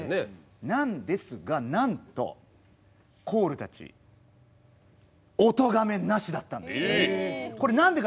なんですがなんとコールたちおとがめなしだったんです。えっ！？